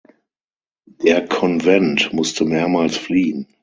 Der Konvent musste mehrmals fliehen.